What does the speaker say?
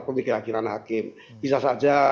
pemikiran hakim bisa saja